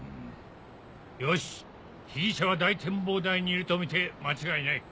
よし被疑者は大展望台にいるとみて間違いない。